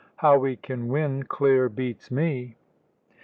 How we can win clear beats me."